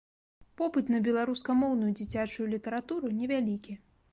Попыт на беларускамоўную дзіцячую літаратуру невялікі.